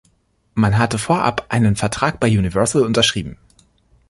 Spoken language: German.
Man hatte vorab einen Vertrag bei Universal unterschrieben.